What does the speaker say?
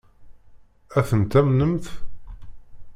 Ad ten-tamnemt?